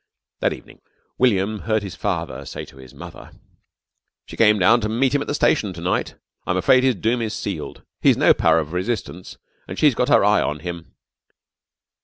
That evening William heard his father say to his mother: "She came down to meet him at the station to night. I'm afraid his doom is sealed. He's no power of resistance, and she's got her eye on him."